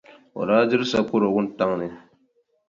O daa diri sakɔro wuntaŋ ni.